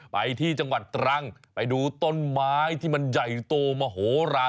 ไปที่จังหวัดตรังไปดูต้นไม้ที่มันใหญ่โตมโหลาน